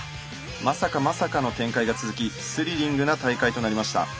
まさかまさかの展開が続きスリリングな大会となりました。